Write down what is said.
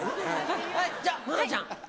じゃあ、愛菜ちゃん。